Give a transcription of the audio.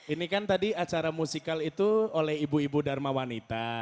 ini kan tadi acara musikal itu oleh ibu ibu dharma wanita